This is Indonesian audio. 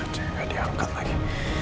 coba gak diangkat lagi